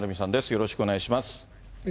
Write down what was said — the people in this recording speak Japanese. よろしくお願いします。